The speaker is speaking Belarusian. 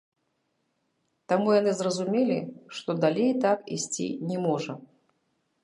Таму яны зразумелі, што далей так ісці не можа.